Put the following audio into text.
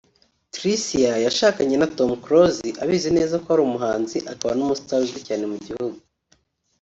Tricia yashakanye na Tom Close abizi neza ko ari umuhanzi akaba n’umusitari uzwi cyane mu gihugu